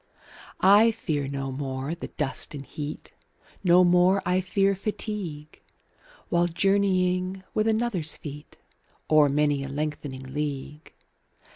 I fear no more the dust and heat, 25 No more I fear fatigue, While journeying with another's feet O'er many a lengthening league.